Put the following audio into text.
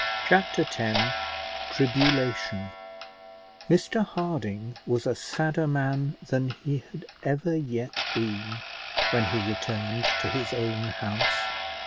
Chapter X TRIBULATION Mr Harding was a sadder man than he had ever yet been when he returned to his own house.